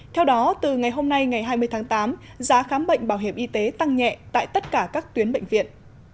theo đó từ ngày hôm nay ngày hai mươi tháng tám giá khám bệnh bảo hiểm y tế tăng nhẹ tại tất cả các tuyến bệnh viện